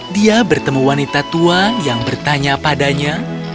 dia bertemu wanita tua yang bertanya padanya